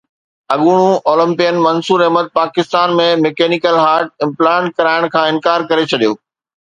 اڳوڻو Olympian Mansoor Ahmed Pakistan ۾ mechanical heart implant ڪرائڻ کان انڪار ڪري ڇڏيو